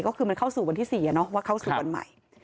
ก็คือมันเข้าสู่วันที่๔ว่าเข้าสู่วันใหม่